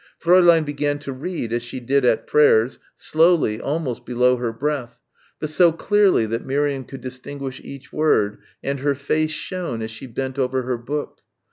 Fräulein began to read, as she did at prayers, slowly, almost below her breath, but so clearly that Miriam could distinguish each word and her face shone as she bent over her book.